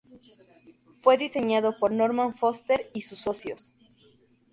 Fue diseñado por Norman Foster y sus socios.